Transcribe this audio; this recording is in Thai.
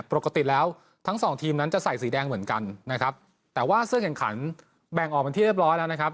ปกติแล้วทั้งสองทีมนั้นจะใส่สีแดงเหมือนกันนะครับแต่ว่าเสื้อแข่งขันแบ่งออกเป็นที่เรียบร้อยแล้วนะครับ